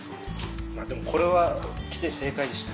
でもこれは来て正解でした。